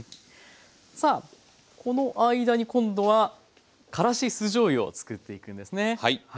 この間に今度はからし酢じょうゆを作っていくんですね。